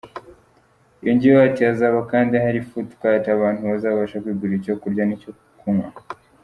Yongeyeho ati “Hazabakandi hari food court abantu bazabasha kwigurira icyo kurya no kunywa.